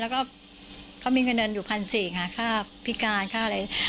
แล้วก็เขามีเงินเดือนอยู่๑๔๐๐ค่ะค่าพิการค่าอะไร